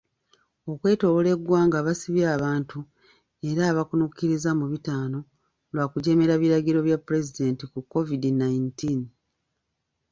Okwetoolola eggwanga basibye abantu era abakkunukkiriza mu bitaano lwakujeemera biragiro bya pulezidenti ku COVID nineteen.